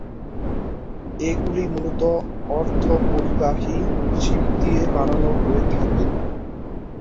এগুলি মূলত অর্ধপরিবাহী চিপ দিয়ে বানানো হয়ে থাকে।